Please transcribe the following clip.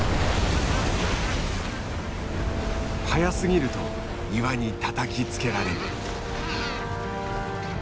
早すぎると岩にたたきつけられる。